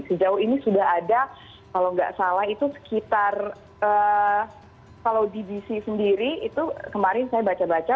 sejauh ini sudah ada kalau nggak salah itu sekitar kalau dbc sendiri itu kemarin saya baca baca